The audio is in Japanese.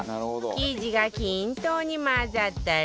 生地が均等に混ざったら